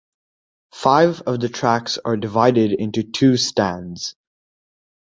Five of the tracks are divided into two stands.